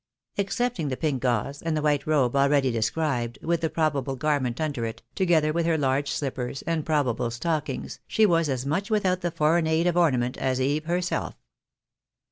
Excepting the pink gauze and the white robe already described, with the probable garment under it, together with her large slippers, and probable stockings, she was as much without the foreign aid of ornament as Eve herself.